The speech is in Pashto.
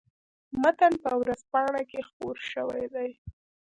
متن په ورځپاڼه کې خپور شوی دی.